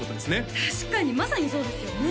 確かにまさにそうですよね